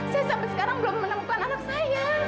saya sampai sekarang belum menemukan anak saya